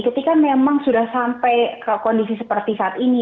ketika memang sudah sampai ke kondisi seperti saat ini